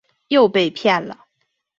又被骗了